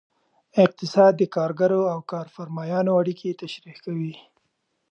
اقتصاد د کارګرو او کارفرمایانو اړیکې تشریح کوي.